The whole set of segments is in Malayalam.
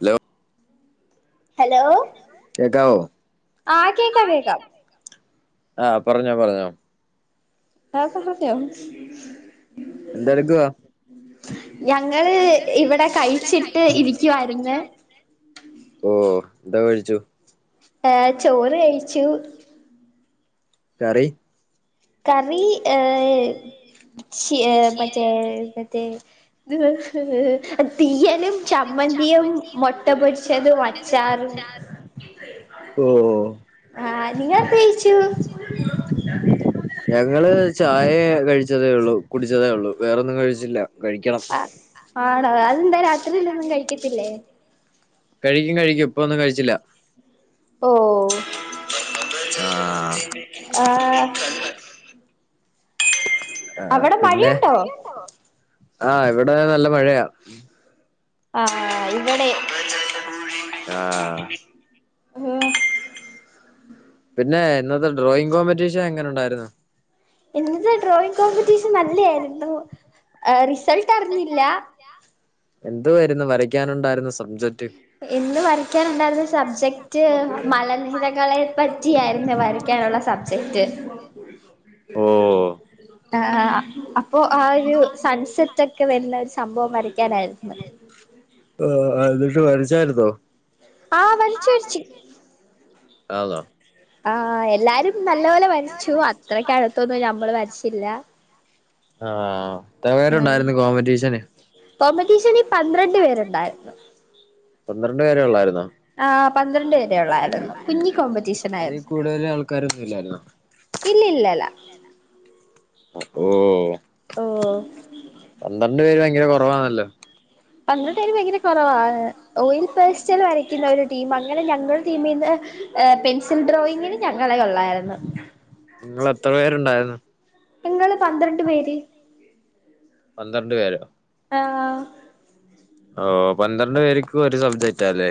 ഹലോ ഹലോ കേൾക്കാവോ, കേക്കാം ആഹ് കേക്കാം കേൾക്കാം.. ആഹ്.. പറഞ്ഞോ, പറഞ്ഞോ.. [inaudible] എന്തെടുക്കുവ ഞങ്ങളിവിടെ കഴിച്ചിട്ടിരിക്കുവായിരുന്ന്. ഓ.. എന്തോ, കഴിച്ചു ഏ.. ചോറു കഴിച്ചു കറി കറി, ഏഹ്‌, ചീ.. മറ്റേ.. മറ്റേ [inaudible] തീയലും, ചമ്മന്തിയും മുട്ടപൊരിച്ചതുമച്ചാറും. ഓഹ് ആഹ്.. നിങ്ങളെന്തു കഴിച്ചു ഞങ്ങളു ചായ കഴിച്ച കുടിച്ചതേയുള്ളൂ, കുടിച്ചതേയുള്ളൂ, വേറൊന്നും കഴിച്ചില്ല. കഴിക്കണം ആഹ്.. ആണോ, അതെന്താ രാത്രിയിലൊന്നും കഴിക്കത്തില്ലേ.. കഴിക്കും, കഴിക്കും, ഇപ്പൊയൊന്നും കഴിച്ചില്ല. ഓഹ്.. ഹോ ആഹ് ആഹ് ആഹ്.. അവിടെ പിന്നെ, മഴയുണ്ടോ ആഹ്.. ഇവിടെനല്ല മഴയോ ആഹ്.. ഇവിടേം.. ആഹ് ഉം പിന്നെ ഇന്നത്തെ ഡ്രോയിംങ് കോമ്പറ്റീഷനെങ്ങനെയു ണ്ടായിരുന്നു? ഇന്നത്തെ ഡ്രോയിംങ് കോമ്പറ്റീഷൻ നല്ലതായിരുന്നു, റിസൾട്ടറിഞ്ഞില്ല. എന്തവായിരുന്നു വരയ്ക്കാനുണ്ടായിരുന്ന സബ്ജറ്റ്. ഇന്നുവരക്കാനുണ്ടായിരുന്നസബ്ജക്റ്റ് മലനിരകളെപറ്റിയാ യിരുന്നു വര.. വരക്കാനുള്ള സബ്ജക്റ്റ് ഓഹ് ആഹ് അപ്പോ ആയൊരു സൺസെറ്റൊക്കെ വരുന്നയാരു സംഭവം വരയ്ക്കാനായിരുന്നു. ആഹ്... എന്നിട്ടു വരച്ചായിരുന്നോ ആഹ് വരച്ചു, വരച്ചു ആന്നോ ആഹ്.. എല്ലാരുംനല്ല പോലെവരച്ചു. അത്രയ്ക്ക അടുത്തൊന്നും ഞമ്മളു വരച്ചില്ല. ആഹ്, എത്ര പേരുണ്ടായിരുന്നു, കോമ്പറ്റീഷന് കോമ്പറ്റീഷന് പന്ത്രണ്ടുപേരെ യുള്ളായിരുന്നു. ആഹ്.. പന്ത്രണ്ടു പേരെയുള്ളായിരുന്നു. കുഞ്ഞി അതീ കോമ്പറ്റീഷനായിരുന്നു. കൂടുതൽ ആൾക്കാരൊന്നും ഇല്ലായിരുന്നോ ഇല്ലയില്ലയില്ല.. ഓഹ് ഹോ... ഓ പന്ത്രണ്ടു പേര്ഭയങ്കര കുറവാണല്ലോ കുറവാണല്ലോ പന്ത്രണ്ടുപേരു ഭയങ്കര കുറവാണ് ഓയിൽ പേസ്റ്റിൽ വരയ്ക്കുന്നയൊരുടീമ്, അങ്ങനെഞങ്ങളുടെ ടീമീന്ന്പെൻസിൽ ഡ്രോയിംങ്ങിന്.. ഞങ്ങളെയൊള്ളായിരുന്നു. നിങ്ങളെത്ര പേരുണ്ടായിരുന്നു? ഞങ്ങളുപന്ത്രണ്ടുപേര് പന്ത്രണ്ടു പേരോ ആഹ്.. ഓ. പന്ത്രണ്ടു പേർക്കും ഒരു സബ്ജക്റ്റാല്ലേ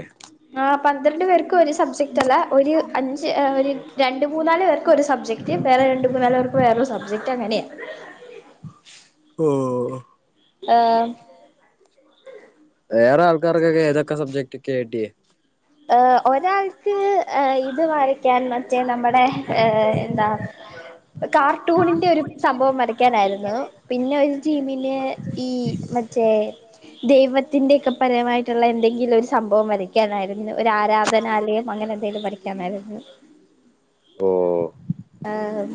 ആഹ്.. പന്ത്രണ്ടുപേർക്കുമൊരു സബ്ജക്റ്റല്ല. ഒരു അഞ്ച് ഒരു രണ്ടുമൂന്നാലു പേർക്കൊരു സബ്ജക്റ്റ് വേറെ രണ്ടു മൂന്നാലുപേർക്കുവേറെ സബ്ജക്റ്റങ്ങനെയാ ഓ. ആഹ്. വേറെ ആൾക്കാർക്കൊക്കെ ഏതൊക്കെ സബ്ജക്റ്റോക്കെ കിട്ടിയേ? ഒരാൾക്ക് ഇത് വരയ്ക്കാൻ മറ്റ മറ്റേ നമ്മുടെ ഏ എന്താ കാർട്ടൂണിന്റെ ഒരു സംഭവം വരയ്ക്കാനായിരുന്നു പിന്നെ ഒരു ടീമില് ഈ മറ്റേ ദൈവത്തിന്റെയൊക്കെ പരമായിട്ടുള്ള എന്തെങ്കിലും ഒരു സംഭവം വരയ്ക്കാനായിരുന്നു. ഒരു ആരാധനാലയം അങ്ങനെ എന്തെങ്കിലും വരയ്ക്കാനായിരുന്നു. ഓ ആഹ്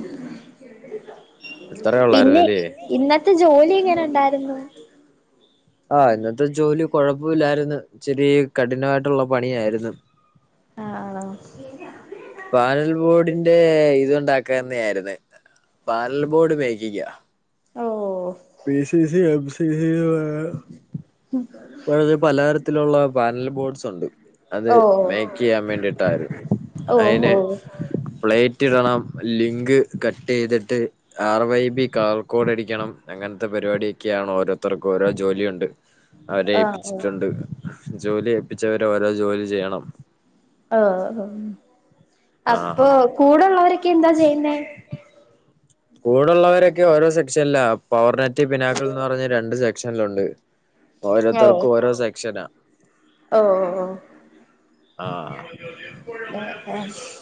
ഇത്രേ പിന്നെ ഉള്ളായിരുന്നല്ലേ ഇന്നത്തെ ജോലി എങ്ങനെ ഉണ്ടായിരുന്നു? ആ ഇന്നത്തെ ജോലി കൊഴപ്പമില്ലായിരുന്നു ഇച്ചിരി കഠിനമായിട്ടുള്ള പണിയായിരുന്നു. ആ ആണോ പാനൽ ബോർഡിന്റെ ഇതുണ്ടാക്കാന് ന്നയിരുന്നു പാനൽ ബോർഡ് മേക്കിങ്ങാ ഓ P C C M C C ഉം ഇപ്പഴ് പലതരത്തിലുള്ള പാനൽ ബോർഡ്സ് ഉണ്ട് അത് ഓഹ് മേക്ക് ചെയ്യാൻ വേണ്ടിട്ടായിരുന്നു ഓഹോ അയിനെ പ്ലേറ്റ് ഇടണം ലിങ്ക് കട്ട് ചെയ്തിട്ട് R Y B colour code അടിക്കണം അങ്ങനത്തെ പരിപാടിയൊക്കെയാണ് ഓരോത്തർക്കും ഓരോ ജോലിയുണ്ട്. അവരെ ആഹ് ഓഹ് ഏൽപ്പിച്ചിട്ടുണ്ട് ജോലി ഏൽപ്പിച്ചവരെ ഓരോ ജോലി ചെയ്യണം. ഓ അപ്പൊ ആഹ് കൂടെള്ളവരൊക്കെ എന്താ ചെയ്യുന്നേ? കൂടെള്ളവരൊക്കെ ഓരോ സെക്ഷനില പവർനെറ്റ് പിനാക്കൾ എന്ന് പറഞ് രണ്ട് സെക്ഷ സെക്ഷനുണ്ട് ഓരോരുത്തർക്കും ഓരോ സെക്ഷനാ ഓ ഓ ഓ ആ [unintelligible]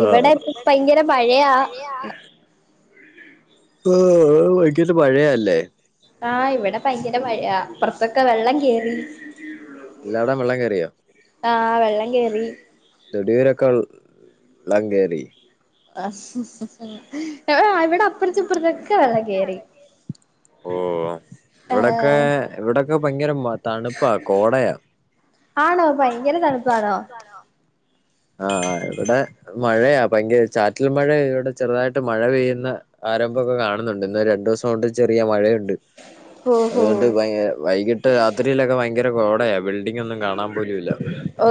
ആഹ്, ഇവിടെ ഭയങ്കര മഴയാ വൈകിട്ട് മഴയല്ലേ ആ ഇവിടെ ഭയങ്കര മഴയാ അപ്പറ്ത്തൊക്കെ വെള്ളം കയറി എല്ലായിടോം വെള്ളം കേറിയോ ആ വെള്ളം കേറി തൊടിയൊരക്കൾ ള്ളം കേറി [unintelligible] കൊറച്ച് ഇപ്പർതൊക്കെ വെള്ളം കേറി ഓഹ് ഇവിടൊക്കെ ആഹ് ഇവിടൊക്കെ ഭയങ്കര തണുപ്പാ കോടയാ ആണോ ഭയങ്കര തണുപ്പണോ? ആ ആ ഇവിടെ മഴയ ഭയങ്കര ചാറ്റൽ മഴ ഇവിടെ ചെറുതായിട്ട് മഴ പെയ്യുന്ന ആരംഭമൊക്കെ കാണുന്നുണ്ട് ഇന്ന് രണ്ടു ദിവസം കൊണ്ട് ചെറിയ മഴയുണ്ട് ഹോ ഹോ അതുകൊണ്ട് വൈകിട്ട് രാത്രിയിലൊക്കെ ഭയങ്കര കോടയാ ബിൽഡിംഗ്‌ ഒന്നും കാണാൻ പോലുംല്ല ഓ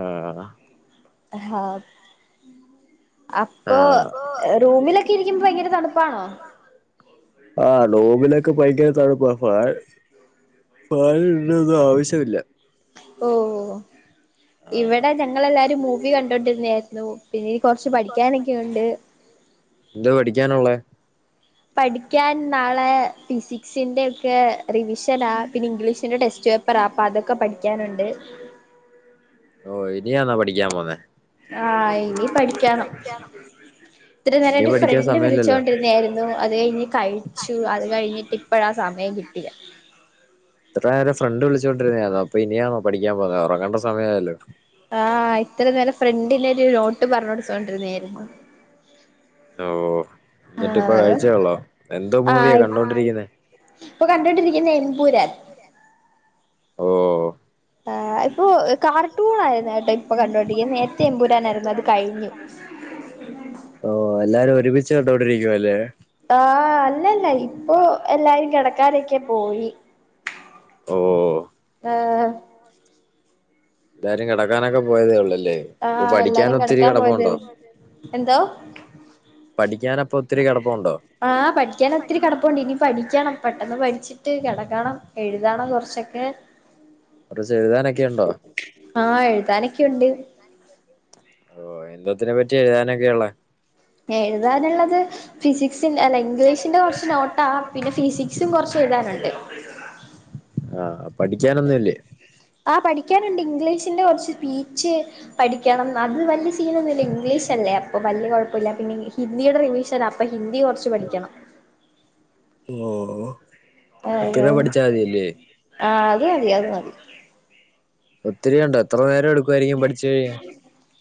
ആഹ ഹ അപ്പൊ ആഹ് റൂമിലൊക്കെ ഇരിക്കുമ്പോ ഭയങ്കര തണുപ്പാണോ? ആ റൂമിലൊക്കെ ഭയങ്കര തണുപ്പാ ഫാൻ ഫാൻ ഇടണ്ടയൊന്നും ആവശ്യമില്ല ഓ ആഹ് ഇവിടെ ഞങ്ങളെല്ലാരും മൂവി കണ്ടോണ്ടിരുന്നായിരുന്നു പിന്നെനി കുറച്ച് പഠിക്കാനൊക്കെയുണ്ട് എന്തുവാ പഠിക്കാനുള്ള പഠിക്കാൻ നാളെ ഫിസിക്സിന്റെ ഒക്കെ റിവിഷന പിന്നെ ഇംഗ്ലീഷിന്റെ ടെസ്റ്റ് പേപ്പ അപ്പ അതൊക്കെ പഠിക്കാനുണ്ട് ഓ ഇനിയാന്നാ പഠിക്കാൻ പോന്നെ ആഹ് ഇനി പഠിക്കാണം ഇത്ര ഇനി നേരയിട്ട് പഠിക്കാൻ ഫ്രണ്ട് സമയമില്ലല്ലോ വിളിച്ചോണ്ടിരുന്നായിരുന്നു അത് കഴിഞ്ഞ് കഴിച്ചു അത് കഴിഞ്ഞിട്ട് ഇപ്പഴാ സമയം കിട്ടിയെ ഇത്ര നേരം ഫ്രണ്ട് വിളിച്ചുകൊണ്ടിരുന്നായിരുന്നോ അപ്പൊ ഇനിയാണോ പഠിക്കാൻ പോന്നത് ഉറങ്ങണ്ട സമയമായല്ലോ ആഹ് ഇത്ര നേരം ഫ്രണ്ടിൻ ഒരു നോട്ട് പറഞ് കൊടുതോണ്ടിരുന്നേയ്യർന്നു ഓഹ എന്നിട്ടിപ്പോ ആഹ് കഴിച്ചേള്ളോ എന്തോ മൂവിയാ ആഹ് കണ്ടോണ്ടിരിക്കുന്നെ. ഇപ്പൊ കണ്ടൊണ്ടിരിക്കുന്നത് എമ്പുരാൻ ഓഹ... ആഹ ഇപ്പൊ കാർട്ടൂൺ ആയിരുന്നു കേട്ടോ ഇപ്പൊ കണ്ടൊണ്ടിരിക്ന്നെ നേരത്തെ എമ്പൂരാനായിരുന്നു അത് കഴിഞ്ഞു ഓഹ എല്ലാരും ഒരുമിച്ച് കണ്ടോണ്ടിരിക്കുവ അല്ലേ? ആഹ് അല്ലല്ല ഇപ്പൊ എല്ലാരും കിടക്കാനോക്കെ പോയി ഓഹ.. ആഹ്.. ഇല്ലാരും കിടക്കാനൊക്കെ പോയതേ ഉള്ളൂല്ലേ ആഹ എല്ലാരും കിടക്കാൻ പോയത് എന്തോ? പഠിക്കാൻ അപ്പൊ ഒത്തിരി കിടപ്പുണ്ടോ ആഹ പഠിക്കാൻ ഒത്തിരി കടപ്പുണ്ട് ഇനി പഠിക്കണം പെട്ടെന്ന് പഠിച്ച് ട്ട് കിടക്കണം എഴുതണം കുറച്ചൊക്കെ [unintelligible] ഏഴ്താനൊക്കെ ഉണ്ടോ? ആഹ് എഴുതാനൊക്കെയുണ്ട് ഓ എന്തൊത്തിനെ പറ്റിയ ഏഴ്താ നോക്കെയുള്ളെ എഴുതാനുള്ളത് ഫിസിക്സിന്റെ അല്ല ഇംഗ്ലീഷിന്റെ കുറച്ച് നോട്ടാ പിന്നെ ഫിസിക് ഫിസിക്സും കുറച്ച് എഴുതാനുണ്ട് ആഹ് പഠിക്കാനൊന്നുംല്ലേ? ആ പഠിക്കാനുണ്ട് ഇംഗ്ലീഷിന്റെ കുറച്ച് സ്പീച്ച് പഠിക്കണം അത് വലിയ സീനൊന്നുല്ല ഇംഗ്ലീഷ് അല്ലേ അപ്പൊ വലിയ കുഴപ്പ മില്ല പിന്നെ ഹിന്ദിയുടെ റിവിഷൻ. അപ്പൊ ഹിന്ദി കുറച്ച് പഠിക്കണം ഓ ഓ.... ആഹ് അത് മതി അത് മതി. ഒത്തിരി ഉണ്ടോ എത്ര നേരം എടുക്കുവായിരിക്കും പഠിച്ചു കഴിയാ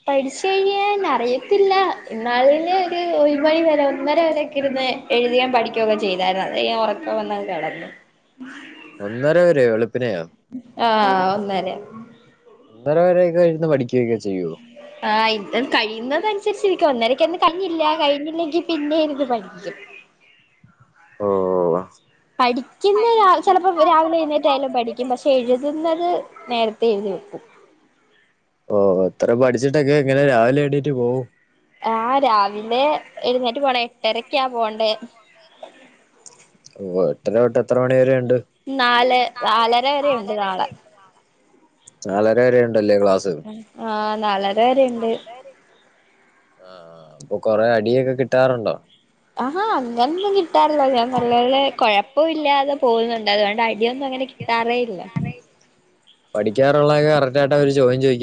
പഠിച്ചു കഴിഞ്ഞാൽ അറിയത്തില്ല ഇന്നാളിൽ ഒരു ഒരു മണി വരെ ഒന്നര വരൊക്കെ ഇരുന്ന എഴുതിയെം പഠിക്കുകയൊക്കെ ചെയ്തായിരുന്നു അതഴിഞ്ഞ ഞാൻ ഉറക്കം വന്നങ്ങ് കിടന്നു ഒന്നര വരെയോ വെളുപ്പിനയാ ആഹ് ഒന്നര ഒന്നര വരെയൊക്കെ ഇരുന്ന് പഠിക്കുകയൊക്കെ ചെയ്യുമോ ആഹ ഇ കഴിയുന്നതനുസരിച്ചിരിക്കും ഒന്നരക്കെന്നെ കഴിഞ്ഞില്ല കഴിഞ്ഞില്ലെങ്കി പിന്നെ ഇരുന്ന്പഠിക്കും ഓഓ.. പഠിക്കുന്ന ചിലപ്പോ രാവിലെ എഴുന്നേറ്റയാലും പഠിക്കും പക്ഷെ എഴുതുന്നത് നേരത്തെ നേരെത്തെ എഴുതി വെക്കും ഓ എത്ര പഠിച്ചിട്ടൊക്കെ ഇങ്ങനെ രാവിലെ എണീട്ട് പോകും ആഹ് രാവിലെ എഴുന്നേറ്റ് പോണ എട്ടരക്കാ പോവണ്ടേ ഉവ്വ് എട്ടര തൊട്ട് എത്രെ മണി വരെ ഉണ്ട്? നാല് നാലര വരെ ഉണ്ട് നാളെ നാലര വരെ ഉണ്ടല്ലേ ക്ലാസ്സ്‌? ആഹ് നാലര വരെ ഉണ്ട്. ആഹ് അപ്പൊ കൊറെ അടിയൊക്കെ കിട്ടാറുണ്ടോ? ആഹാ അങ്ങനുന്നും കിട്ടാറില്ല ഞാൻ നല്ലപോലെ കുഴപ്പ ഇല്ലാതെ പോകുന്നുണ്ട് അതുകൊണ്ടായി അടിയൊന്നും അങ്ങനെ കിട്ടാറേയില്ല. പഠിക്കാനുള്ളോക്കെ കറക്റ്റായിട്ട് അവർ ചോദ്യം ചോയി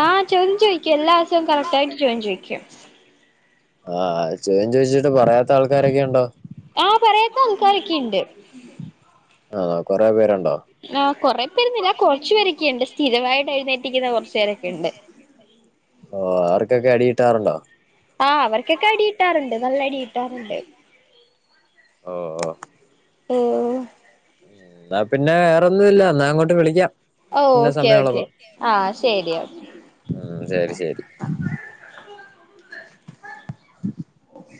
ആഹ് ചോദ്യം ചോയിക്കും എല്ലാസവും കറക്റ്റായിട്ട് ചോദ്യം ചോയിക്കും. ആഹ് ചോദ്യം ചോയിച്ചിട്ട് പറയാത്ത ആൾക്കാരൊക്കെ ഉണ്ടോ? ആഹ് പറയത്ത ആൾക്കാരോക്കിണ്ട്. ആഹ് കൊറെ പേരുണ്ടോ? ആഹ് കൊറെ പേരോന്നുല്ല കുറച്ചു പേരൊക്കെണ്ട് സ്ഥിരമായിട്ട് എഴുന്നേപ്പിക്കുന്ന കുറച്ചു പേരൊക്കിണ്ട്. ഓ ആവർക്കൊക്കെ അടിയിട്ടാറുണ്ടോ? ആഹ് അവർക്കൊക്കെ അടിയിട്ടാറുണ്ട് നല്ലടിയിട്ടാറുണ്ട്. ഓ ഓ. ഏഹ്. എന്നാ പിന്നെ വേറൊന്നും ഇല്ലാ എന്നാ അങ്ങോട്ട് വിളിക്കാം. ഓ പിന്നെ ഓക്കെ ഓക്കെ സമയമുള്ളപ്പോ ആഹ് ശരി ഓ ഉം ശരി ശരി. [unintelligible]